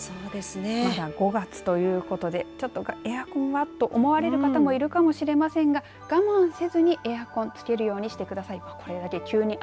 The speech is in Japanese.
まだ５月ということでちょっとエアコンはと思われる方もいるかもしれませんが我慢せずにエアコンを付けるようにしてください。